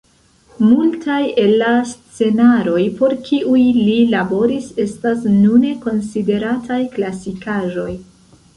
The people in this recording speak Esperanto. Multaj el la scenaroj por kiuj li laboris estas nune konsiderataj klasikaĵoj.